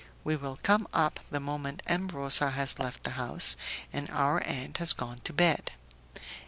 We will come up the moment M. Rosa has left the house, and our aunt has gone to bed.